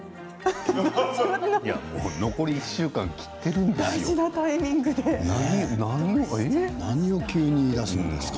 残り１週間切っているんですよ。